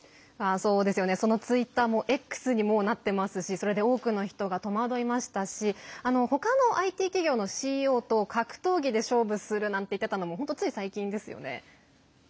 そのツイッターもＸに、もうなってますしそれで多くの人が戸惑いましたし他のＩＴ企業のＣＥＯと格闘技で勝負するなんて言っていたのもつい最近ですよね。